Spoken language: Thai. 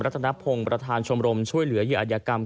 รัฐนพงศ์ประธานชมรมช่วยเหลือเหยื่ออัธยกรรม